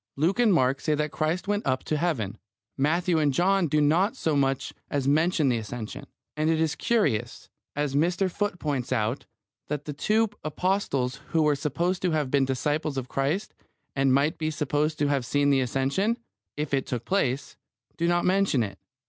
Luke and Mark say that Christ went up to Heaven. Matthew and John do not so much as mention the Ascension. And it is curious, as Mr. Foote points out, that the two apostles who were supposed to have been disciples of Christ and might be supposed to have seen the Ascension, if it took place, do not mention it.